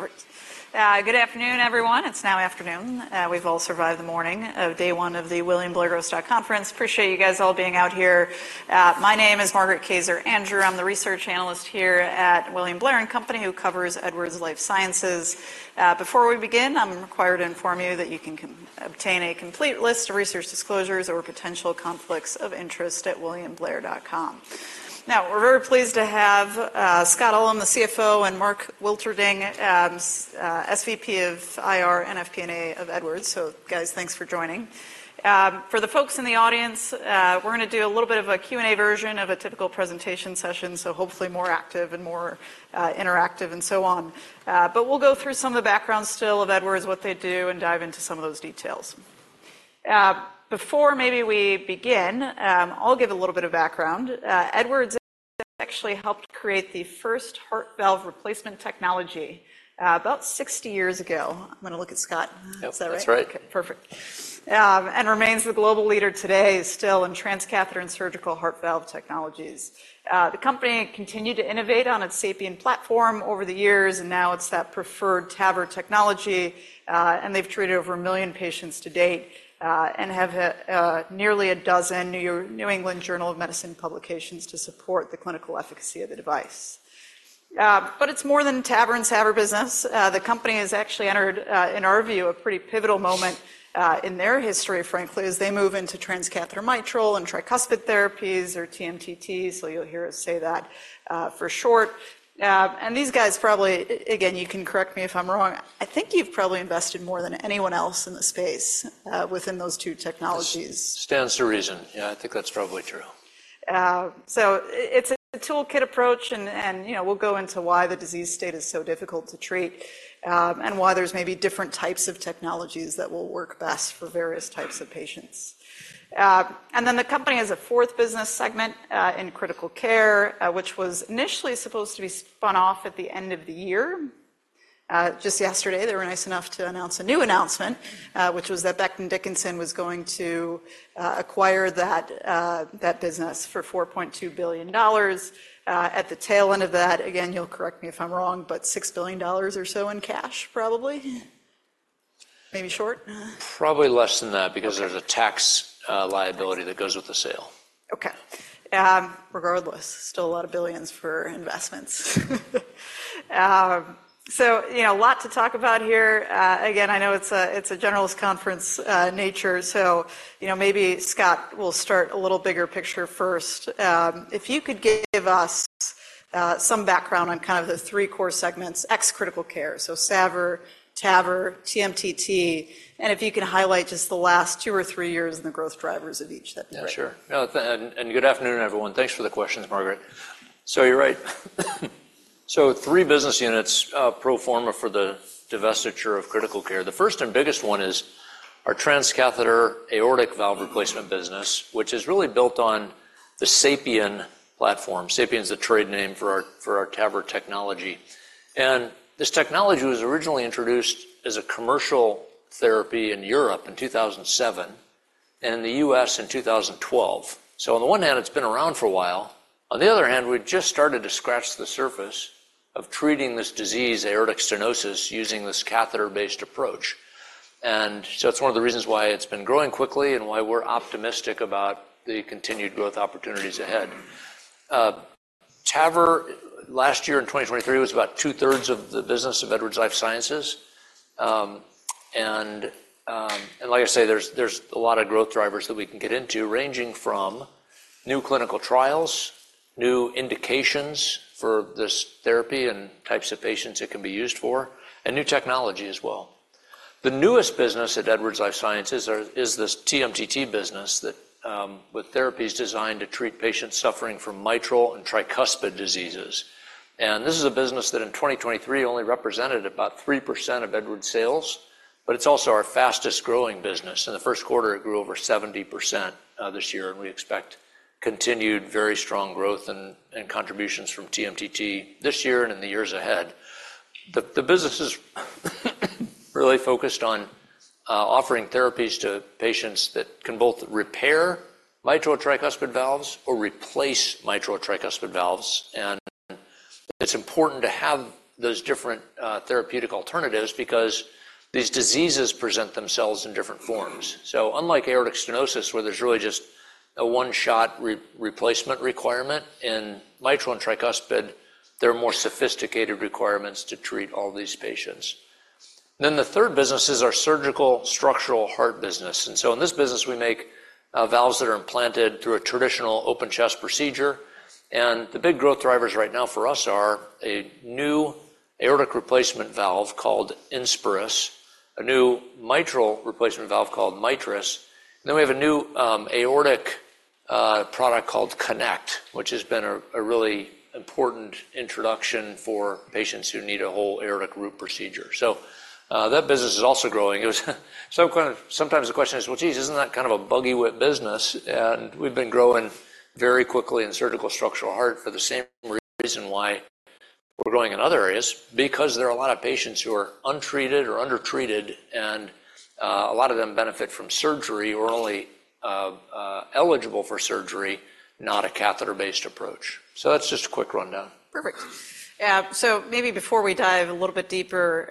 Perfect. Good afternoon, everyone. It's now afternoon. We've all survived the morning of day one of the William Blair Growth Stock Conference. Appreciate you guys all being out here. My name is Margaret Kaczor Andrew. I'm the research analyst here at William Blair & Company, who covers Edwards Lifesciences. Before we begin, I'm required to inform you that you can obtain a complete list of research disclosures or potential conflicts of interest at williamblair.com. Now, we're very pleased to have Scott Ullem, the CFO, and Mark Wilterding, SVP of IR and FP&A of Edwards. So, guys, thanks for joining. For the folks in the audience, we're gonna do a little bit of a Q&A version of a typical presentation session, so hopefully more active and more interactive and so on. But we'll go through some of the background still of Edwards, what they do, and dive into some of those details. Before maybe we begin, I'll give a little bit of background. Edwards actually helped create the first heart valve replacement technology, about 60 years ago. I'm gonna look at Scott. Is that right? That's right. Okay, perfect. And remains the global leader today still in transcatheter and surgical heart valve technologies. The company continued to innovate on its SAPIEN platform over the years, and now it's that preferred TAVR technology. And they've treated over one million patients to date, and have a nearly a dozen New England Journal of Medicine publications to support the clinical efficacy of the device. But it's more than TAVR and SAVR business. The company has actually entered, in our view, a pretty pivotal moment, in their history, frankly, as they move into transcatheter mitral and tricuspid therapies, or TMTT, so you'll hear us say that, for short. And these guys probably, again, you can correct me if I'm wrong, I think you've probably invested more than anyone else in the space, within those two technologies. Stands to reason. Yeah, I think that's probably true. So it's a toolkit approach, and, you know, we'll go into why the disease state is so difficult to treat, and why there's maybe different types of technologies that will work best for various types of patients. And then the company has a fourth business segment in critical care, which was initially supposed to be spun off at the end of the year. Just yesterday, they were nice enough to announce a new announcement, which was that Becton Dickinson was going to acquire that business for $4.2 billion. At the tail end of that, again, you'll correct me if I'm wrong, but $6 billion or so in cash, probably? Maybe short. Probably less than that- Okay. - because there's a tax liability that goes with the sale. Okay. Regardless, still a lot of billions for investments. So, you know, a lot to talk about here. Again, I know it's a, it's a generalist conference, nature, so, you know, maybe Scott will start a little bigger picture first. If you could give us, some background on kind of the three core segments, ex critical care, so SAVR, TAVR, TMTT, and if you could highlight just the last two or three years and the growth drivers of each, that'd be great. Yeah, sure. And good afternoon, everyone. Thanks for the questions, Margaret. So you're right. So three business units, pro forma for the divestiture of critical care. The first and biggest one is our transcatheter aortic valve replacement business, which is really built on the SAPIEN platform. SAPIEN's a trade name for our TAVR technology. And this technology was originally introduced as a commercial therapy in Europe in 2007, and in the U.S. in 2012. So on the one hand, it's been around for a while. On the other hand, we've just started to scratch the surface of treating this disease, aortic stenosis, using this catheter-based approach. And so it's one of the reasons why it's been growing quickly and why we're optimistic about the continued growth opportunities ahead. TAVR, last year in 2023, was about two-thirds of the business of Edwards Lifesciences. And like I say, there's a lot of growth drivers that we can get into, ranging from new clinical trials, new indications for this therapy and types of patients it can be used for, and new technology as well. The newest business at Edwards Lifesciences is this TMTT business that with therapies designed to treat patients suffering from mitral and tricuspid diseases. And this is a business that in 2023 only represented about 3% of Edwards' sales, but it's also our fastest-growing business. In the first quarter, it grew over 70% this year, and we expect continued very strong growth and contributions from TMTT this year and in the years ahead. The business is really focused on offering therapies to patients that can both repair mitral tricuspid valves or replace mitral tricuspid valves. And it's important to have those different therapeutic alternatives because these diseases present themselves in different forms. So unlike aortic stenosis, where there's really just a one-shot replacement requirement, in mitral and tricuspid, there are more sophisticated requirements to treat all these patients. Then the third business is our surgical structural heart business. And so in this business, we make valves that are implanted through a traditional open chest procedure. And the big growth drivers right now for us are a new aortic replacement valve called INSPIRIS, a new mitral replacement valve called MITRIS, and then we have a new aortic product called Konect, which has been a really important introduction for patients who need a whole aortic root procedure. So, that business is also growing. Sometimes the question is, "Well, geez, isn't that kind of a buggy whip business?" And we've been growing very quickly in surgical structural heart for the same reason why we're growing in other areas, because there are a lot of patients who are untreated or undertreated, and a lot of them benefit from surgery or only eligible for surgery, not a catheter-based approach. So that's just a quick rundown. Perfect. So maybe before we dive a little bit deeper,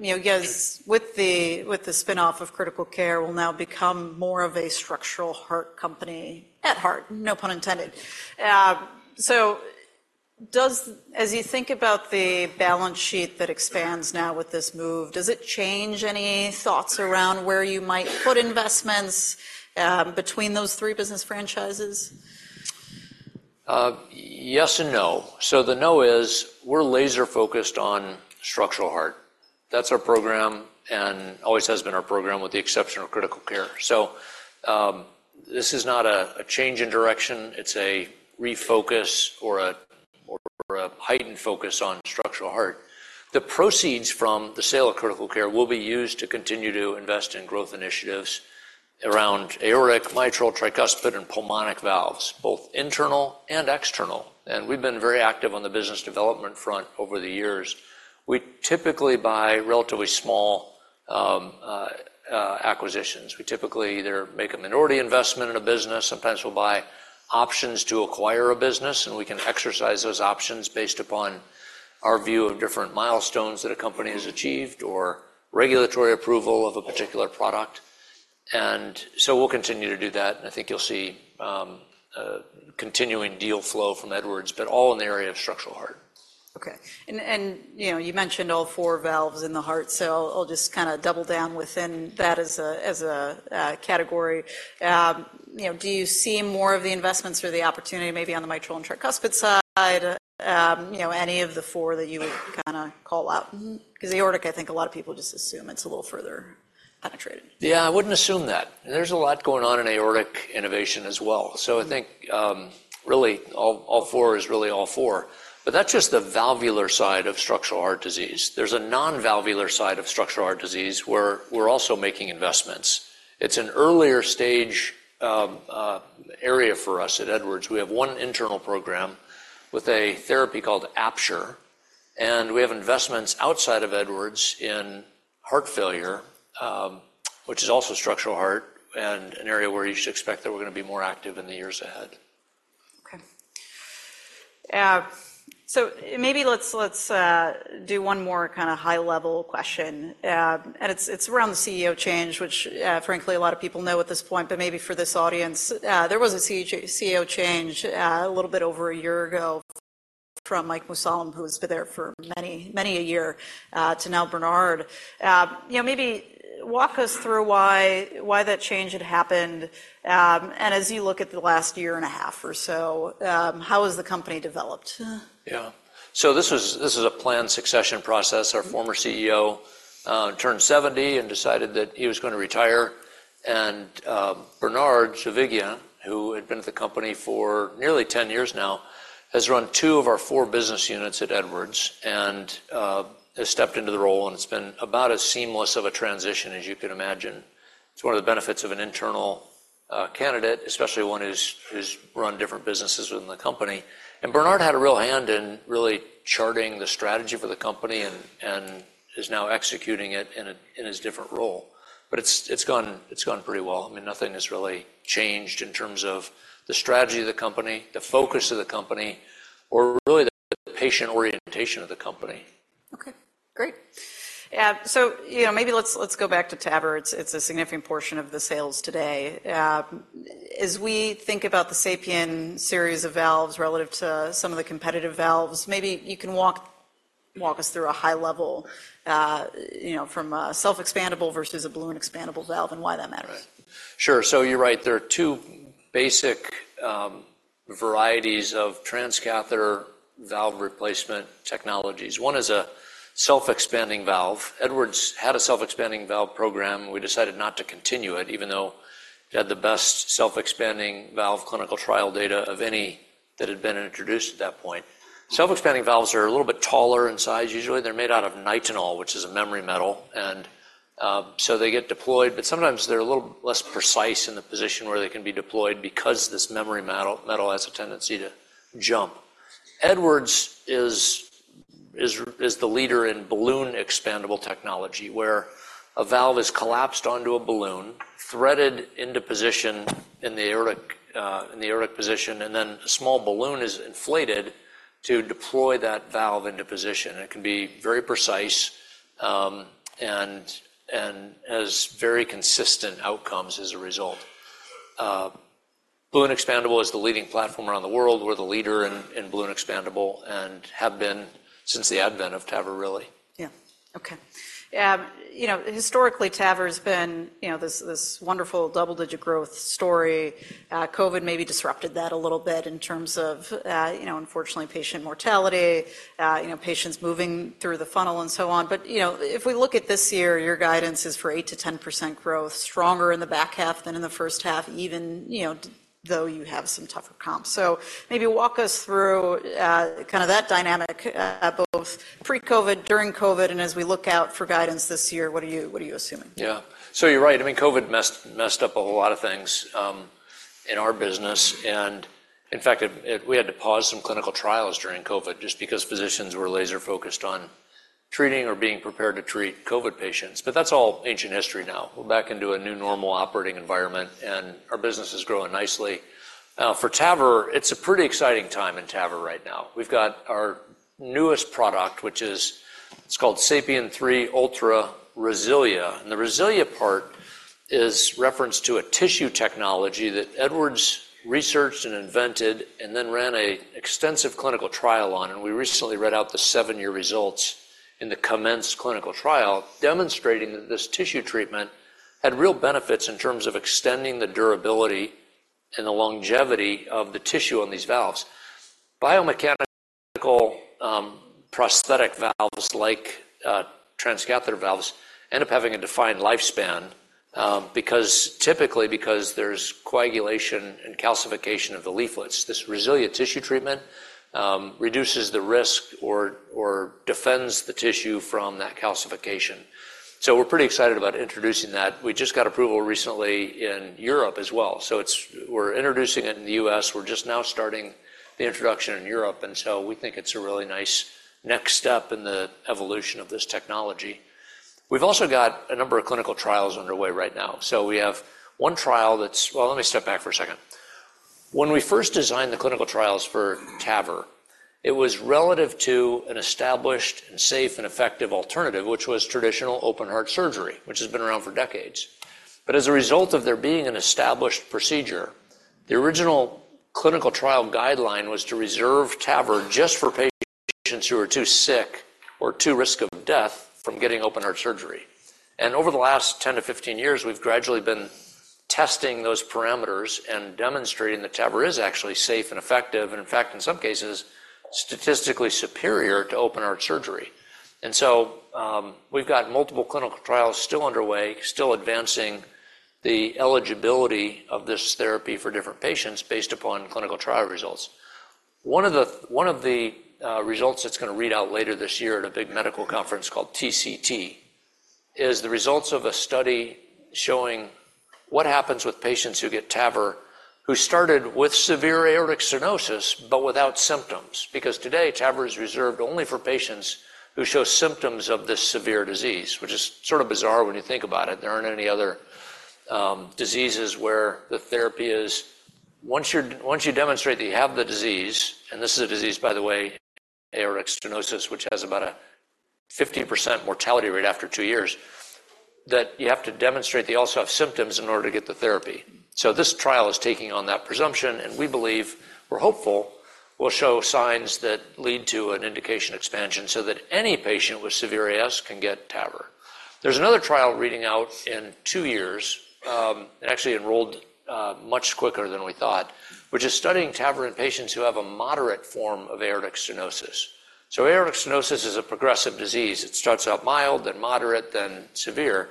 you know, because with the spin-off of critical care will now become more of a structural heart company at heart, no pun intended. So, as you think about the balance sheet that expands now with this move, does it change any thoughts around where you might put investments between those three business franchises? Yes and no. So the no is, we're laser-focused on structural heart. That's our program and always has been our program, with the exception of critical care. So, this is not a change in direction, it's a refocus or a heightened focus on structural heart. The proceeds from the sale of critical care will be used to continue to invest in growth initiatives around aortic, mitral, tricuspid, and pulmonic valves, both internal and external, and we've been very active on the business development front over the years. We typically buy relatively small acquisitions. We typically either make a minority investment in a business, sometimes we'll buy options to acquire a business, and we can exercise those options based upon our view of different milestones that a company has achieved or regulatory approval of a particular product. And so we'll continue to do that, and I think you'll see a continuing deal flow from Edwards, but all in the area of structural heart. Okay. And you know, you mentioned all four valves in the heart, so I'll just kinda double down within that as a category. You know, do you see more of the investments or the opportunity maybe on the mitral and tricuspid side, you know, any of the four that you would kinda call out? 'Cause aortic, I think a lot of people just assume it's a little further penetrated. Yeah, I wouldn't assume that. There's a lot going on in aortic innovation as well. So I think, really, all, all four is really all four. But that's just the valvular side of structural heart disease. There's a non-valvular side of structural heart disease, where we're also making investments. It's an earlier stage, area for us at Edwards. We have one internal program with a therapy called APTURE, and we have investments outside of Edwards in heart failure, which is also structural heart, and an area where you should expect that we're gonna be more active in the years ahead. Okay. So maybe let's, let's, do one more kinda high-level question. It's, it's around the CEO change, which, frankly, a lot of people know at this point, but maybe for this audience. There was a CEO change, a little bit over a year ago from Mike Mussallem, who's been there for many, many a year, to now Bernard. You know, maybe walk us through why, why that change had happened, and as you look at the last year and a half or so, how has the company developed? Yeah. So this was, this is a planned succession process. Our former CEO turned 70 and decided that he was gonna retire. And Bernard Zovighian, who had been at the company for nearly 10 years now, has run two of our four business units at Edwards and has stepped into the role, and it's been about as seamless of a transition as you can imagine. It's one of the benefits of an internal candidate, especially one who's run different businesses within the company. And Bernard had a real hand in really charting the strategy for the company and is now executing it in his different role. But it's gone pretty well. I mean, nothing has really changed in terms of the strategy of the company, the focus of the company, or really the patient orientation of the company. Okay, great. So, you know, maybe let's go back to TAVR. It's a significant portion of the sales today. As we think about the SAPIEN series of valves relative to some of the competitive valves, maybe you can walk us through a high level, you know, from a self-expandable versus a balloon-expandable valve and why that matters. Sure. So you're right, there are two basic varieties of transcatheter valve replacement technologies. One is a self-expanding valve. Edwards had a self-expanding valve program. We decided not to continue it, even though it had the best self-expanding valve clinical trial data of any that had been introduced at that point. Self-expanding valves are a little bit taller in size. Usually, they're made out of Nitinol, which is a memory metal, and so they get deployed, but sometimes they're a little less precise in the position where they can be deployed because this memory metal has a tendency to jump. Edwards is the leader in balloon-expandable technology, where a valve is collapsed onto a balloon, threaded into position in the aortic, in the aortic position, and then a small balloon is inflated to deploy that valve into position. It can be very precise, and has very consistent outcomes as a result. Balloon-expandable is the leading platform around the world. We're the leader in balloon-expandable and have been since the advent of TAVR, really. Yeah. Okay. You know, historically, TAVR has been, you know, this, this wonderful double-digit growth story. COVID maybe disrupted that a little bit in terms of, you know, unfortunately, patient mortality, you know, patients moving through the funnel, and so on. But, you know, if we look at this year, your guidance is for 8%-10% growth, stronger in the back half than in the first half, even, you know, though you have some tougher comps. So maybe walk us through, kind of that dynamic, both pre-COVID, during COVID, and as we look out for guidance this year, what are you, what are you assuming? Yeah. So you're right. I mean, COVID messed up a whole lot of things in our business and— In fact, it we had to pause some clinical trials during COVID just because physicians were laser-focused on treating or being prepared to treat COVID patients. But that's all ancient history now. We're back into a new normal operating environment, and our business is growing nicely. For TAVR, it's a pretty exciting time in TAVR right now. We've got our newest product, which is, it's called SAPIEN 3 Ultra RESILIA. The RESILIA part is reference to a tissue technology that Edwards researched and invented and then ran an extensive clinical trial on, and we recently read out the 7-year results in the COMMENCE clinical trial, demonstrating that this tissue treatment had real benefits in terms of extending the durability and the longevity of the tissue on these valves. Bioprosthetic valves, like, transcatheter valves, end up having a defined lifespan, because typically there's coagulation and calcification of the leaflets. This RESILIA tissue treatment reduces the risk or defends the tissue from that calcification. So we're pretty excited about introducing that. We just got approval recently in Europe as well, so it's- we're introducing it in the U.S. We're just now starting the introduction in Europe, and so we think it's a really nice next step in the evolution of this technology. We've also got a number of clinical trials underway right now. Well, let me step back for a second. When we first designed the clinical trials for TAVR, it was relative to an established and safe and effective alternative, which was traditional open-heart surgery, which has been around for decades. But as a result of there being an established procedure, the original clinical trial guideline was to reserve TAVR just for patients who were too sick or too risk of death from getting open-heart surgery. And over the last 10-15 years, we've gradually been testing those parameters and demonstrating that TAVR is actually safe and effective, and in fact, in some cases, statistically superior to open-heart surgery. And so, we've got multiple clinical trials still underway, still advancing the eligibility of this therapy for different patients based upon clinical trial results. One of the results that's gonna read out later this year at a big medical conference called TCT is the results of a study showing what happens with patients who get TAVR, who started with severe aortic stenosis but without symptoms. Because today, TAVR is reserved only for patients who show symptoms of this severe disease, which is sort of bizarre when you think about it. There aren't any other diseases where the therapy is... Once you demonstrate that you have the disease, and this is a disease, by the way, aortic stenosis, which has about a 50% mortality rate after two years, that you have to demonstrate that you also have symptoms in order to get the therapy. So this trial is taking on that presumption, and we believe, we're hopeful, will show signs that lead to an indication expansion so that any patient with severe AS can get TAVR. There's another trial reading out in two years, it actually enrolled much quicker than we thought, which is studying TAVR in patients who have a moderate form of aortic stenosis. So aortic stenosis is a progressive disease. It starts out mild, then moderate, then severe.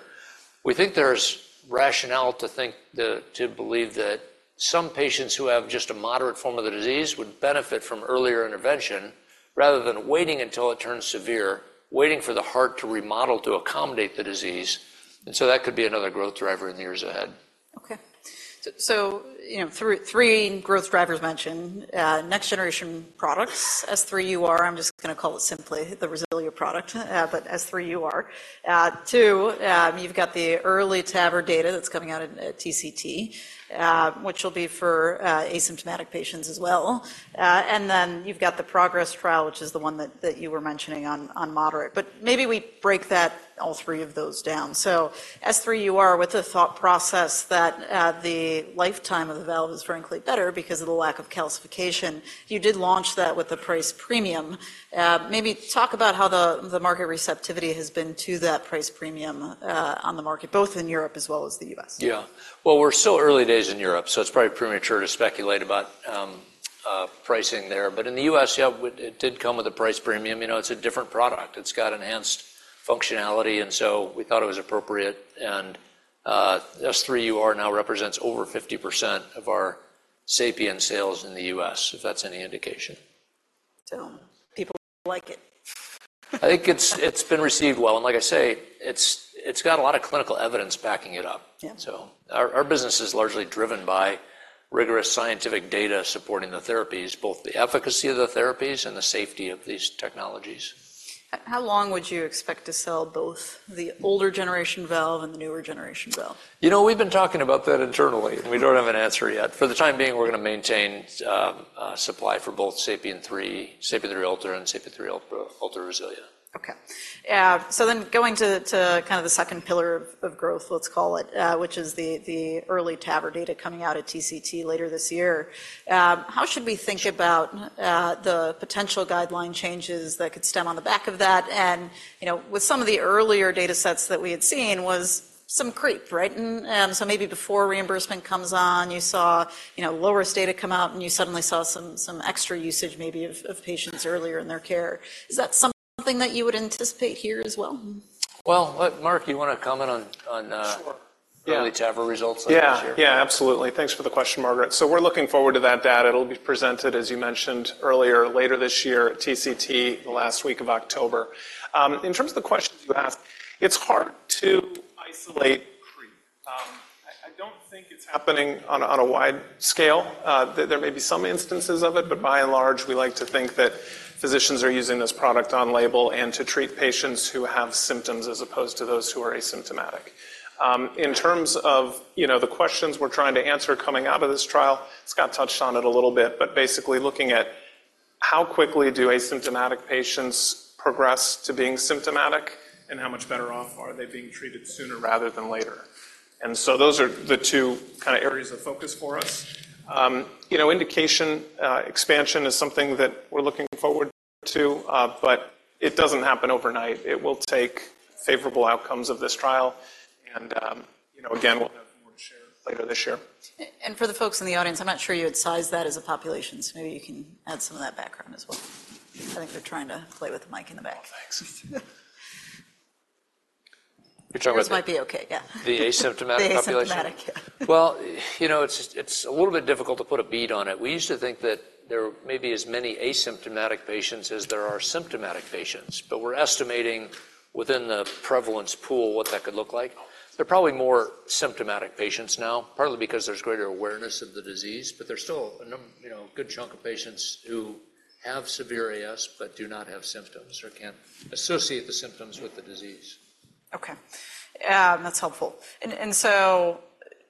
We think there's rationale to think to believe that some patients who have just a moderate form of the disease would benefit from earlier intervention, rather than waiting until it turns severe, waiting for the heart to remodel to accommodate the disease. And so that could be another growth driver in the years ahead. Okay. So, you know, three growth drivers mentioned, next generation products, S3 UR, I'm just gonna call it simply the RESILIA product, but S3 UR. Two, you've got the EARLY TAVR data that's coming out in TCT, which will be for asymptomatic patients as well. And then you've got the PROGRESS trial, which is the one that you were mentioning on moderate. But maybe we break that, all three of those down. So S3 UR, with the thought process that the lifetime of the valve is frankly better because of the lack of calcification, you did launch that with a price premium. Maybe talk about how the market receptivity has been to that price premium on the market, both in Europe as well as the U.S. Yeah. Well, we're still early days in Europe, so it's probably premature to speculate about pricing there. But in the U.S., yeah, it did come with a price premium. You know, it's a different product. It's got enhanced functionality, and so we thought it was appropriate. S3 UR now represents over 50% of our SAPIEN sales in the U.S., if that's any indication. So people like it? I think it's been received well, and like I say, it's got a lot of clinical evidence backing it up. Yeah. Our business is largely driven by rigorous scientific data supporting the therapies, both the efficacy of the therapies and the safety of these technologies. How long would you expect to sell both the older generation valve and the newer generation valve? You know, we've been talking about that internally, and we don't have an answer yet. For the time being, we're gonna maintain supply for both SAPIEN 3, SAPIEN 3 Ultra, and SAPIEN 3 Ultra RESILIA. Okay. So then going to kind of the second pillar of growth, let's call it, which is the EARLY TAVR data coming out at TCT later this year, how should we think about the potential guideline changes that could stem on the back of that? And, you know, with some of the earlier datasets that we had seen was some creep, right? And, so maybe before reimbursement comes on, you saw, you know, lower risk data come out, and you suddenly saw some extra usage, maybe of patients earlier in their care. Is that something that you would anticipate here as well? Well, Mark, you wanna comment on- Sure. EARLY TAVR results on this year? Yeah. Yeah, absolutely. Thanks for the question, Margaret. So we're looking forward to that data. It'll be presented, as you mentioned earlier, later this year at TCT, the last week of October. In terms of the question you asked, I don't think it's happening on a wide scale. There may be some instances of it, but by and large, we like to think that physicians are using this product on label and to treat patients who have symptoms as opposed to those who are asymptomatic. In terms of, you know, the questions we're trying to answer coming out of this trial, Scott touched on it a little bit, but basically looking at how quickly do asymptomatic patients progress to being symptomatic, and how much better off are they being treated sooner rather than later? And so those are the two kinda areas of focus for us. You know, indication expansion is something that we're looking forward to, but it doesn't happen overnight. It will take favorable outcomes of this trial, and, you know, again, we'll have more to share later this year. For the folks in the audience, I'm not sure you had sized that as a population, so maybe you can add some of that background as well. I think they're trying to play with the mic in the back. Oh, thanks. You're talking about- This might be okay. Yeah. - the asymptomatic population? The asymptomatic, yeah. Well, you know, it's, it's a little bit difficult to put a beat on it. We used to think that there may be as many asymptomatic patients as there are symptomatic patients, but we're estimating within the prevalence pool what that could look like. There are probably more symptomatic patients now, partly because there's greater awareness of the disease, but there's still a you know, a good chunk of patients who have severe AS, but do not have symptoms or can't associate the symptoms with the disease. Okay. That's helpful. And so,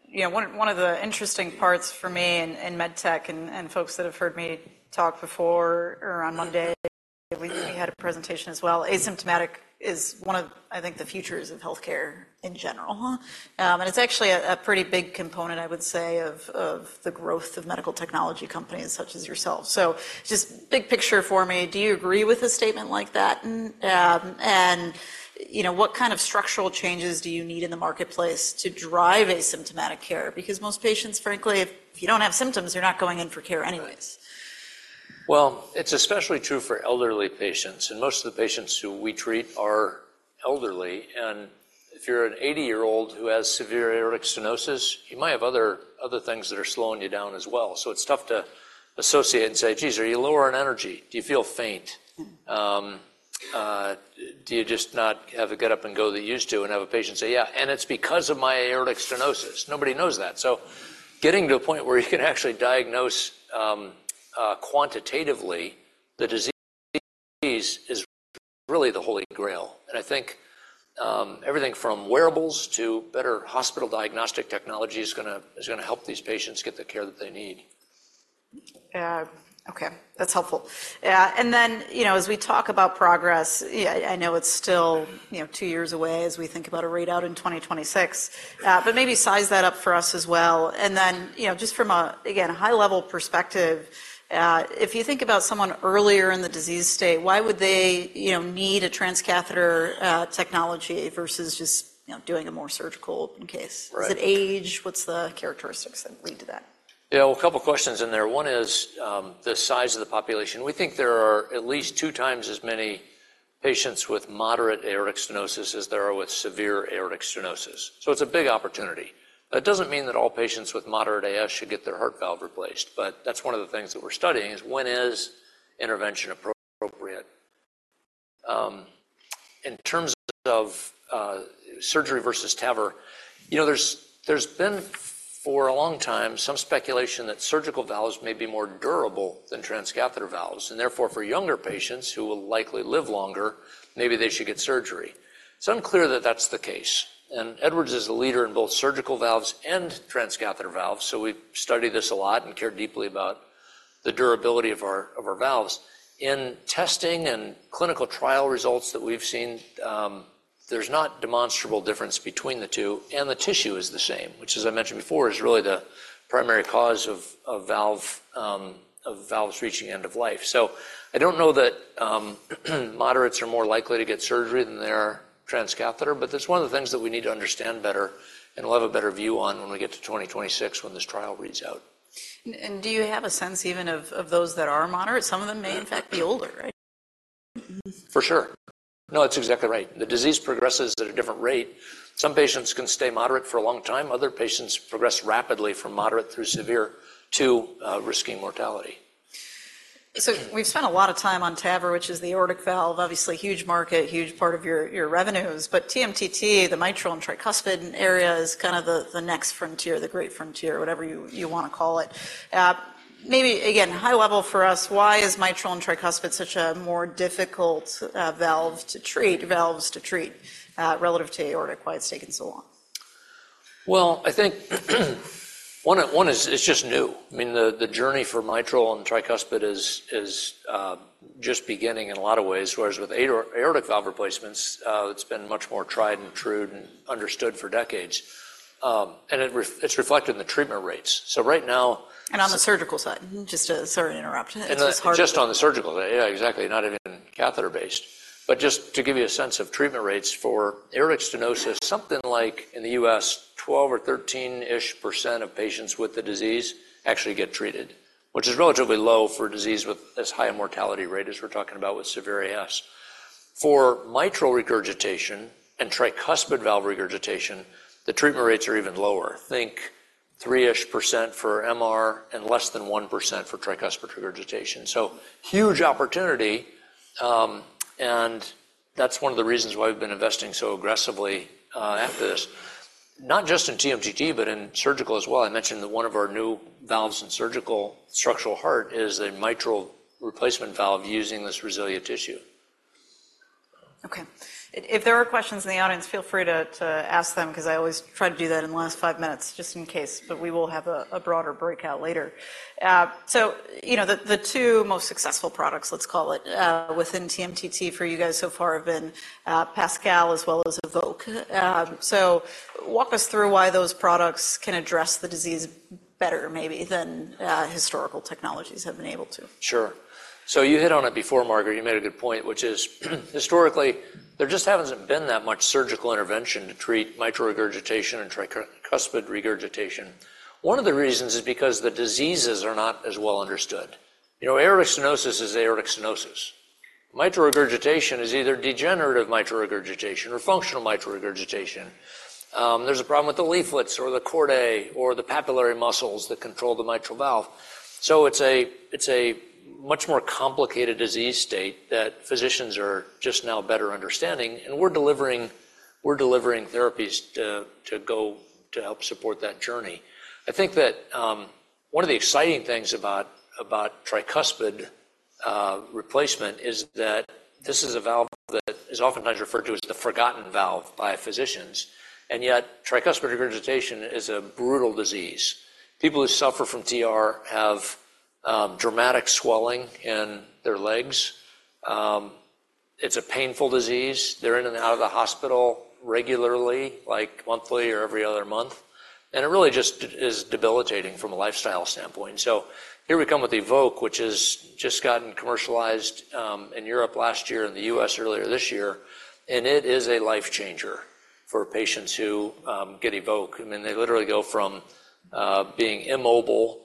you know, one of the interesting parts for me in med tech and folks that have heard me talk before or on Monday, we had a presentation as well. Asymptomatic is one of, I think, the futures of healthcare in general, huh? And it's actually a pretty big component, I would say, of the growth of medical technology companies such as yourself. So just big picture for me: do you agree with a statement like that? And, you know, what kind of structural changes do you need in the marketplace to drive asymptomatic care? Because most patients, frankly, if you don't have symptoms, you're not going in for care anyways. Well, it's especially true for elderly patients, and most of the patients who we treat are elderly. If you're an 80-year-old who has severe aortic stenosis, you might have other things that are slowing you down as well. So it's tough to associate and say, "Geez, are you lower in energy? Do you feel faint? Do you just not have a get-up-and-go than you used to?" Have a patient say, "Yeah, and it's because of my aortic stenosis." Nobody knows that. So getting to a point where you can actually diagnose quantitatively the disease is really the holy grail. I think everything from wearables to better hospital diagnostic technology is gonna help these patients get the care that they need. Okay. That's helpful. Yeah, and then, you know, as we talk about PROGRESS, yeah, I know it's still, you know, two years away as we think about a readout in 2026, but maybe size that up for us as well. And then, you know, just from a, again, a high-level perspective, if you think about someone earlier in the disease state, why would they, you know, need a transcatheter technology versus just, you know, doing a more surgical case? Right. Is it age? What's the characteristics that lead to that? Yeah, a couple questions in there. One is, the size of the population. We think there are at least two times as many patients with moderate aortic stenosis as there are with severe aortic stenosis, so it's a big opportunity. That doesn't mean that all patients with moderate AS should get their heart valve replaced, but that's one of the things that we're studying, is: When is intervention appropriate? In terms of, surgery versus TAVR, you know, there's been, for a long time, some speculation that surgical valves may be more durable than transcatheter valves, and therefore, for younger patients who will likely live longer, maybe they should get surgery. It's unclear that that's the case, and Edwards is a leader in both surgical valves and transcatheter valves, so we've studied this a lot and care deeply about the durability of our valves. In testing and clinical trial results that we've seen, there's not demonstrable difference between the two, and the tissue is the same, which, as I mentioned before, is really the primary cause of, of valve, of valves reaching end of life. So I don't know that, moderates are more likely to get surgery than they are transcatheter, but that's one of the things that we need to understand better and we'll have a better view on when we get to 2026 when this trial reads out. Do you have a sense even of those that are moderate? Some of them may, in fact, be older, right? For sure. No, that's exactly right. The disease progresses at a different rate. Some patients can stay moderate for a long time. Other patients progress rapidly from moderate through severe to risky mortality. So we've spent a lot of time on TAVR, which is the aortic valve. Obviously, huge market, huge part of your revenues, but TMTT, the mitral and tricuspid area, is kind of the next frontier, the great frontier, whatever you wanna call it. Maybe again, high level for us, why is mitral and tricuspid such a more difficult valve to treat, valves to treat, relative to aortic, why it's taken so long? Well, I think, one, one is, it's just new. I mean, the journey for mitral and tricuspid is just beginning in a lot of ways, whereas with aortic valve replacements, it's been much more tried and true and understood for decades. And it's reflected in the treatment rates. So right now- On the surgical side, mm-hmm, sorry to interrupt. And, uh- It's hard-... just on the surgical side. Yeah, exactly, not even catheter-based. But just to give you a sense of treatment rates for aortic stenosis, something like, in the U.S., 12 or 13-ish% of patients with the disease actually get treated, which is relatively low for a disease with as high a mortality rate as we're talking about with severe AS. For mitral regurgitation and tricuspid valve regurgitation, the treatment rates are even lower. Three-ish% for MR and less than 1% for tricuspid regurgitation. So huge opportunity, and that's one of the reasons why we've been investing so aggressively after this. Not just in TMTT, but in surgical as well. I mentioned that one of our new valves in surgical structural heart is a mitral replacement valve using this RESILIA tissue. Okay. If there are questions in the audience, feel free to ask them, 'cause I always try to do that in the last five minutes, just in case, but we will have a broader breakout later. So, you know, the two most successful products, let's call it, within TMTT for you guys so far have been PASCAL as well as EVOQUE. So walk us through why those products can address the disease better maybe than historical technologies have been able to. Sure. So you hit on it before, Margaret. You made a good point, which is, historically, there just hasn't been that much surgical intervention to treat mitral regurgitation and tricuspid regurgitation. One of the reasons is because the diseases are not as well understood. You know, aortic stenosis is aortic stenosis. Mitral regurgitation is either degenerative mitral regurgitation or functional mitral regurgitation. There's a problem with the leaflets or the chordae or the papillary muscles that control the mitral valve. So it's a, it's a much more complicated disease state that physicians are just now better understanding, and we're delivering, we're delivering therapies to, to go to help support that journey. I think that one of the exciting things about tricuspid replacement is that this is a valve that is oftentimes referred to as the forgotten valve by physicians, and yet tricuspid regurgitation is a brutal disease. People who suffer from TR have dramatic swelling in their legs. It's a painful disease. They're in and out of the hospital regularly, like monthly or every other month, and it really just is debilitating from a lifestyle standpoint. So here we come with EVOQUE, which has just gotten commercialized in Europe last year, in the US earlier this year, and it is a life changer for patients who get EVOQUE. I mean, they literally go from, being immobile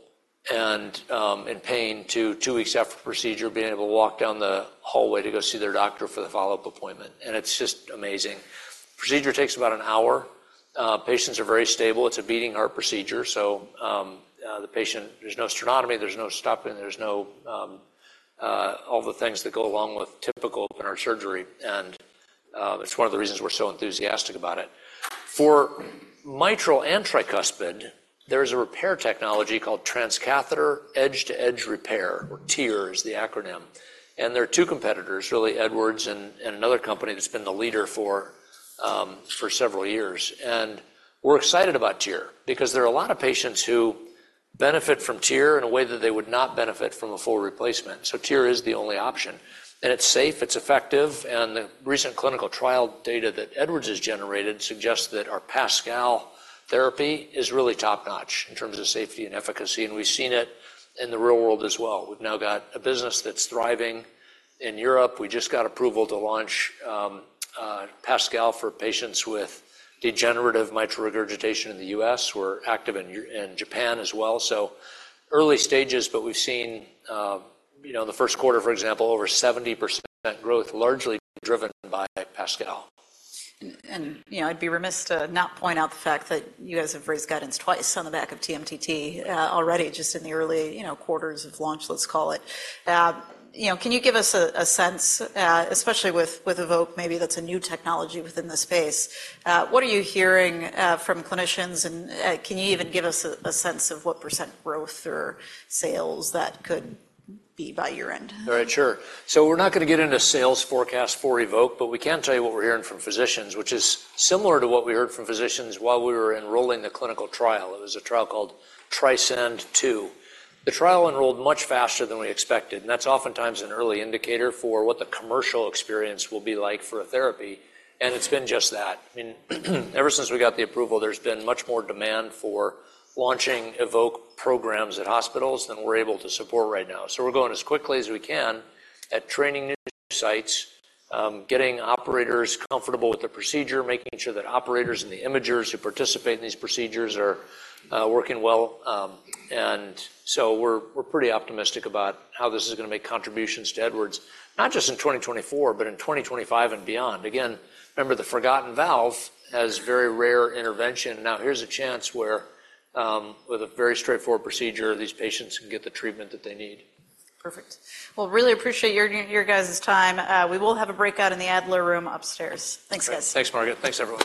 and, in pain to two weeks after procedure, being able to walk down the hallway to go see their doctor for the follow-up appointment, and it's just amazing. Procedure takes about an hour. Patients are very stable. It's a beating heart procedure, so, the patient, there's no sternotomy, there's no stopping, there's no, all the things that go along with typical open heart surgery, and, it's one of the reasons we're so enthusiastic about it. For mitral and tricuspid, there's a repair technology called transcatheter edge-to-edge repair, or TEER is the acronym, and there are two competitors, really, Edwards and, and another company that's been the leader for, several years. We're excited about TEER because there are a lot of patients who benefit from TEER in a way that they would not benefit from a full replacement, so TEER is the only option. It's safe, it's effective, and the recent clinical trial data that Edwards has generated suggests that our PASCAL therapy is really top-notch in terms of safety and efficacy, and we've seen it in the real world as well. We've now got a business that's thriving in Europe. We just got approval to launch PASCAL for patients with degenerative mitral regurgitation in the U.S. We're active in Japan as well, so early stages, but we've seen, you know, in the first quarter, for example, over 70% growth, largely driven by PASCAL. And, you know, I'd be remiss to not point out the fact that you guys have raised guidance twice on the back of TMTT, already, just in the early, you know, quarters of launch, let's call it. You know, can you give us a sense, especially with EVOQUE, maybe that's a new technology within the space? What are you hearing from clinicians, and can you even give us a sense of what % growth or sales that could be by year-end? All right. Sure. So we're not gonna get into sales forecast for EVOQUE, but we can tell you what we're hearing from physicians, which is similar to what we heard from physicians while we were enrolling the clinical trial. It was a trial called TRISCEND II. The trial enrolled much faster than we expected, and that's oftentimes an early indicator for what the commercial experience will be like for a therapy, and it's been just that. I mean, ever since we got the approval, there's been much more demand for launching EVOQUE programs at hospitals than we're able to support right now. So we're going as quickly as we can at training new sites, getting operators comfortable with the procedure, making sure that operators and the imagers who participate in these procedures are working well. And so we're pretty optimistic about how this is gonna make contributions to Edwards, not just in 2024, but in 2025 and beyond. Again, remember, the forgotten valve has very rare intervention. Now, here's a chance where, with a very straightforward procedure, these patients can get the treatment that they need. Perfect. Well, really appreciate your, your guys' time. We will have a breakout in the Adler room upstairs. Thanks, guys. Thanks, Margaret. Thanks, everyone.